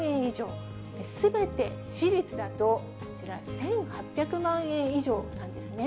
これ、すべて私立だと、こちら、１８００万円以上なんですね。